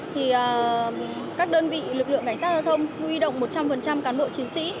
thì các đơn vị lực lượng cảnh sát giao thông huy động một trăm linh cán bộ chiến sĩ